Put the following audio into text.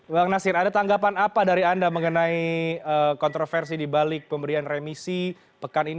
bang nasir ada tanggapan apa dari anda mengenai kontroversi dibalik pemberian remisi pekan ini